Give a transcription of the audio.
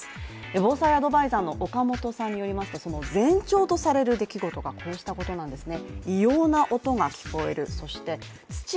防災アドバイザーの岡本さんによりますと前兆とされる出来事がこうしたことなんですね